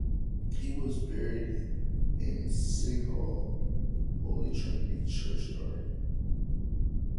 He was buried in Seghill (Holy Trinity) Churchyard.